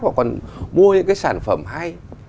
hoặc còn mua những cái sản phẩm hay